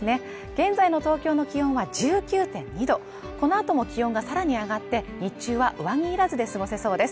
現在の東京の気温は１９．２度この後も気温がさらに上がって、日中は上着いらずで過ごせそうです